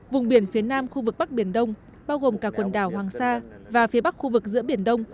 vùng biển phía nam khu vực bắc biển đông bao gồm cả quần đảo hoàng sa và phía bắc khu vực giữa biển đông